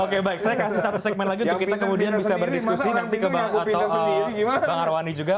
oke baik saya kasih satu segmen lagi untuk kita kemudian bisa berdiskusi nanti ke bang arwani juga